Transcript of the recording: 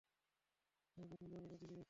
আমি প্রথম দরজাটার দিকে যাচ্ছি।